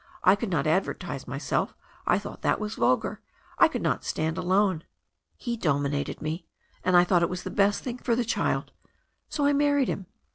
I could not advertise myself — I thought that was vulgar — ^I could not stand alone. He dominated me, and I thought it was the best thing for the child, so I married him."